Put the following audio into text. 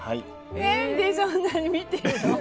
何でそんなに見てるの？